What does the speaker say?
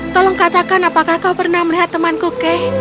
tolong katakan apakah kau pernah melihat temanku kay